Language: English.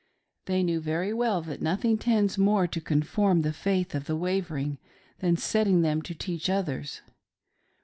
They knew very well that nothing tends more to confirm the faith of the wavering than setting them to teach others.